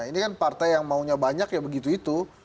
ini kan partai yang maunya banyak ya begitu itu